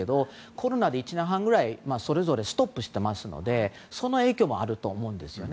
コロナで１年半ぐらいそれぞれストップしてますのでその影響もあると思いますね。